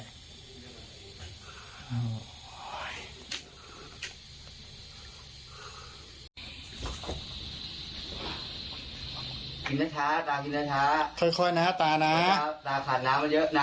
ขึ้นนะค่ะตากินแล้วค่ะค่อยนะตาตาขาดน้ำมาเยอะนั้น